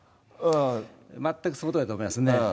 全くそのとおりだと思いますね。